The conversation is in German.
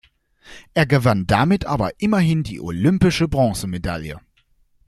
Er gewann damit aber immerhin die olympische Bronzemedaille.